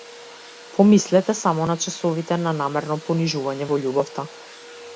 Помислете само на часовите на намерно понижување во љубовта!